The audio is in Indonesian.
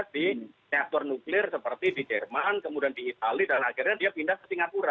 maka dia kemudian memilih riset riset di sektor nuklir seperti di jerman kemudian di itali dan akhirnya dia pindah ke singapura